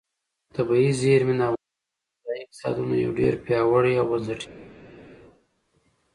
طبیعي زیرمې د افغانستان د ځایي اقتصادونو یو ډېر پیاوړی او بنسټیز پایایه دی.